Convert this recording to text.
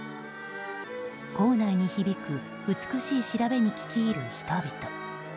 構内に響く美しいしらべに聴き入る人々。